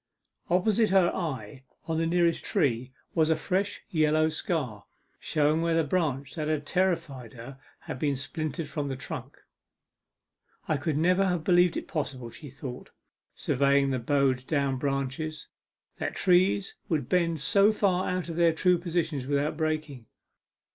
Opposite her eye, on the nearest tree, was a fresh yellow scar, showing where the branch that had terrified her had been splintered from the trunk. 'I never could have believed it possible,' she thought, surveying the bowed down branches, 'that trees would bend so far out of their true positions without breaking.